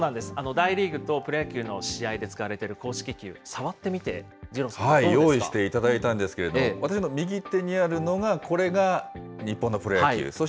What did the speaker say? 大リーグとプロ野球の試合で使われている公式球、触ってみて、二郎さん、用意していただいたんですけど、私の右手にあるのがこれが日本のプロ野球。